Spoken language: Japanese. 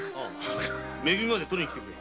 め組まで取りに来てくれ。